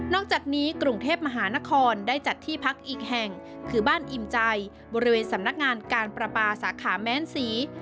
จากนี้กรุงเทพมหานครได้จัดที่พักอีกแห่งคือบ้านอิ่มใจบริเวณสำนักงานการประปาสาขาแม้นศรี